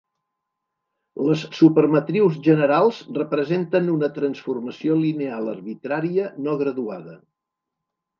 Les supermatrius generals representen una transformació lineal arbitrària no graduada.